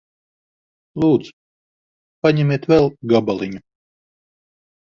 Lūdzu. Paņemiet vēl gabaliņu.